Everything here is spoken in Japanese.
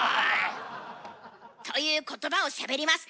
という言葉をしゃべります。